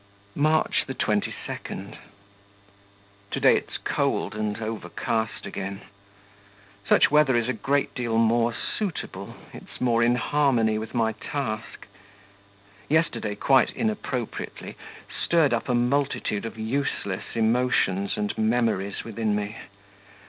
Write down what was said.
March 22. To day it's cold and overcast again. Such weather is a great deal more suitable. It's more in harmony with my task. Yesterday, quite inappropriately, stirred up a multitude of useless emotions and memories within me.